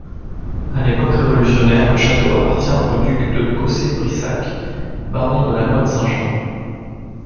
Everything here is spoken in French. À l'époque révolutionnaire le château appartient au duc de Cossé-Brissac, baron de la Motte-Saint-Jean.